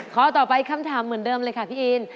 ข้อต่อไปคำถามเหมือนเดิมเลยค่ะพี่อิน